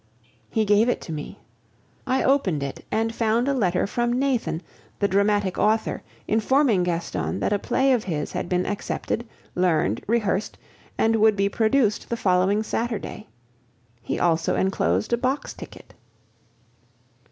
He gave it to me. I opened it and found a letter from Nathan, the dramatic author, informing Gaston that a play of his had been accepted, learned, rehearsed, and would be produced the following Saturday. He also enclosed a box ticket.